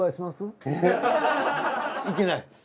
いけない？